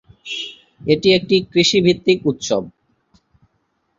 এটি একটি কৃষিভিত্তিক উৎসব।